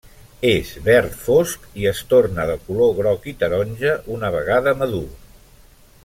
És verd fosc i es torna de color groc i taronja una vegada madur.